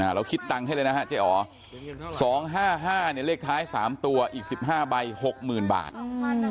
อ่าเราคิดตังให้เลยนะฮะเจ๋อร์สองห้าห้าเนี่ยเลขท้ายสามตัวอีกสิบห้าใบหกหมื่นบาทอืม